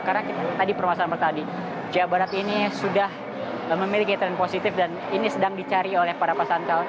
karena tadi permasalahan pertama tadi jawa barat ini sudah memiliki tren positif dan ini sedang dicari oleh para pasangan calon